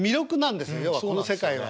要はこの世界は。